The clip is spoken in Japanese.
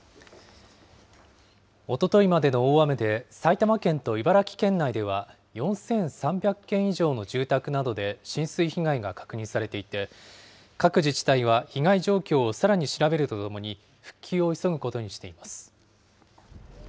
おとといまでの大雨で、埼玉県と茨城県内では、４３００件以上の住宅などで浸水被害が確認されていて、各自治体は被害状況をさらに調べるとともに、復旧を急ぐことにしています。